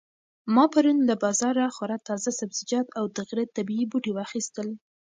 ما پرون له بازاره خورا تازه سبزیجات او د غره طبیعي بوټي واخیستل.